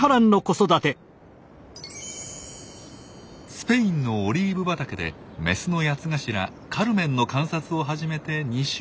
スペインのオリーブ畑でメスのヤツガシラカルメンの観察を始めて２週間。